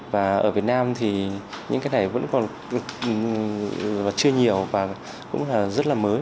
và ở việt nam thì những cái này vẫn còn chưa nhiều và cũng là rất là mới